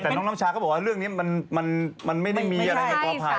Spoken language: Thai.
แต่น้องน้ำชายเขาบอกว่าเรื่องนี้มันไม่มีอะไรกับปรากฏ